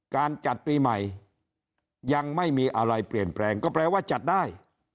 การจัดปีใหม่ยังไม่มีอะไรเปลี่ยนแปลงก็แปลว่าจัดได้